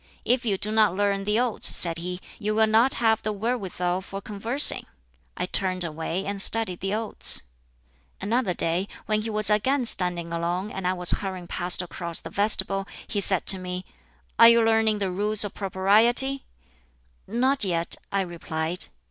'If you do not learn the Odes,' said he, 'you will not have the wherewithal for conversing,' I turned away and studied the Odes. Another day, when he was again standing alone and I was hurrying past across the vestibule, he said to me, 'Are you learning the Rules of Propriety?' 'Not yet,' I replied.